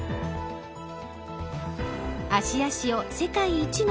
芦屋市を世界一の